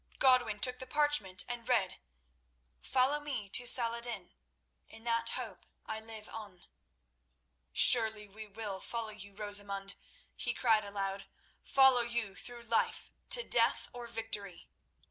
Godwin took the parchment and read: "Follow me to Saladin. In that hope I live on." "Surely we will follow you, Rosamund," he cried aloud. "Follow you through life to death or victory."